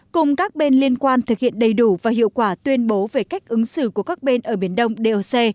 cùng các bên liên quan thực hiện đầy đủ và hiệu quả tuyên bố về cách ứng xử của các bên ở biển đông doc